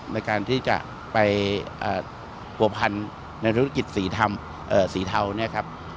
ในการที่จะไปปวดพันธ์ในธุรกิจสีท้าว